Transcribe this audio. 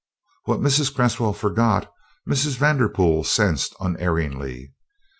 What Mrs. Cresswell forgot Mrs. Vanderpool sensed unerringly.